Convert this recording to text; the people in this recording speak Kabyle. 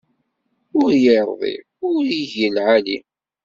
Ur iṛḍi ur igi lɛali.